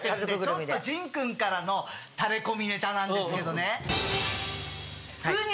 ちょっと仁君からのタレコミネタなんですけどね。